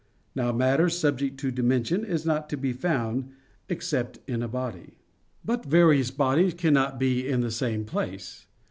Now matter subject to dimension is not to be found except in a body. But various bodies cannot be in the same place.